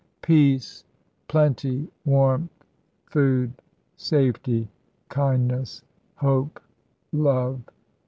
"Peace, plenty, warmth, food, safety, kindness, hope, love!"